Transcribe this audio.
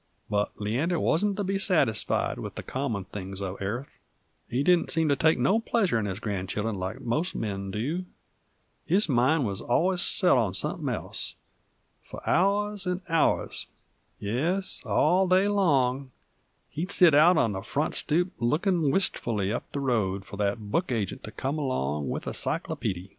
But Leander wuzn't to be satisfied with the common things uv airth; he didn't seem to take no pleasure in his grandchildren like most men do; his mind wuz allers sot on somethin' else, for hours 'nd hours, yes, all day long, he'd set out on the front stoop lookin' wistfully up the road for that book agent to come along with a cyclopeedy.